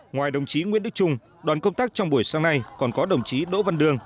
ngoài đồng chí nguyễn đức trung đoàn công tác trong buổi sáng nay còn có đồng chí đỗ văn đương